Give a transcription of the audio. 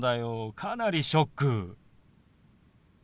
かなりショック。